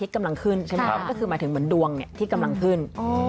กำลังขึ้นก็คือมาถึงเดือนที่กำลังขึ้น